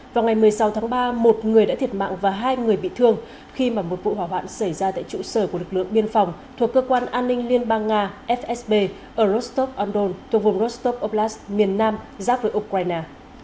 vào ngày một mươi sáu tháng ba một người đã thiệt mạng và hai người bị thương khi một vụ hỏa hoạn xảy ra tại trụ sở của lực lượng biên phòng thuộc cơ quan an ninh liên bang nga fsb ở rostov on don thuộc vùng rostov oblast miền nam giáp với ukraine